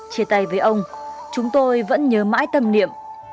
chia tay với ông chúng tôi vẫn nhớ mãi tâm niệm